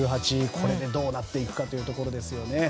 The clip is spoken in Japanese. これでどうなっていくのかということですよね。